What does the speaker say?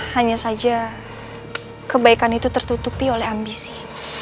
hanya saja kebaikan itu tertutupi oleh ambisi